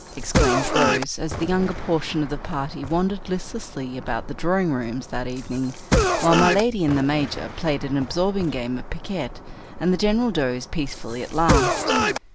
exclaimed Rose, as the younger portion of the party wandered listlessly about the drawing rooms that evening, while my lady and the major played an absorbing game of piquet, and the general dozed peacefully at last.